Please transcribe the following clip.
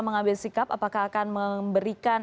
mengambil sikap apakah akan memberikan